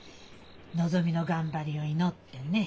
のぞみの頑張りを祈ってね。